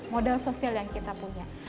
modal sosial yang kita punya